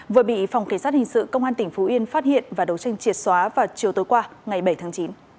vừa bị phòng kỳ sát hình sự công an tỉnh phú yên phát hiện và đấu tranh triệt xóa vào chiều tối qua ngày bảy tháng chín